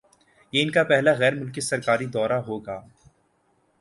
یہ ان کا پہلا غیرملکی سرکاری دورہ ہوگا